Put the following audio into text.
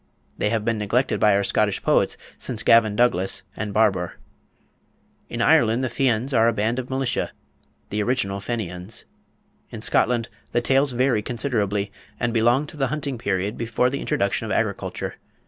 They have been neglected by our Scottish poets since Gavin Douglas and Barbour. In Ireland the Fians are a band of militia the original Fenians. In Scotland the tales vary considerably, and belong to the hunting period before the introduction of agriculture.